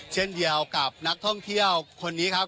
เช่นเดียวกับนักท่องเที่ยวคนนี้ครับ